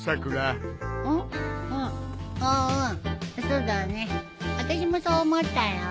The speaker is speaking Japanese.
そうだね。あたしもそう思ったよ。